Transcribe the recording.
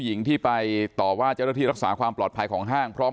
หญิงที่ไปต่อว่าเจ้าหน้าที่รักษาความปลอดภัยของห้างพร้อม